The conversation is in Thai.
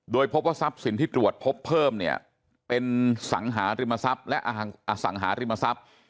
โดยพบว่าทรัพย์สินที่ตรวจพบเพิ่มเนี่ยเป็นสังหาริมทรัพย์และอสังหาริมทรัพย์